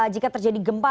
jika terjadi gempa